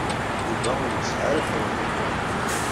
Yuba ur yesɛi ara afrayen.